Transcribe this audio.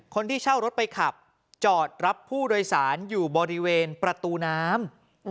คนที่เช่ารถไปขับจอดรับผู้โดยสารอยู่บริเวณประตูน้ำ